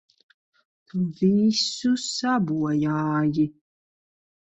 Tu visu sabojāji!